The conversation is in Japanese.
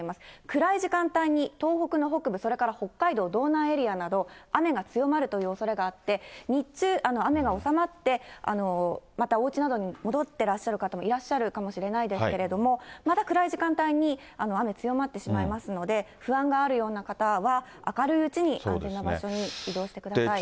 暗い時間帯に東北の北部、それから北海道、道南エリアなど、雨が強まるというおそれがあって、日中、雨が収まって、またおうちなどに戻ってらっしゃる方もいらっしゃるかもしれないですけれども、また暗い時間帯に雨、強まってしまいますので、不安があるような方は、明るいうちに安全な場所に移動してください。